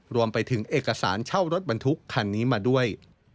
รวมไปถึงเอกสารเช่ารถบรรทุกคันนี้มาด้วย